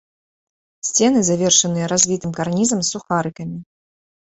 Сцены завершаныя развітым карнізам з сухарыкамі.